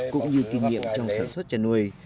cũng như kinh nghiệm trong sản xuất chăn nuôi